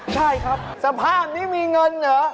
ใช่ครับสภาพนี้มีเงินเหรอ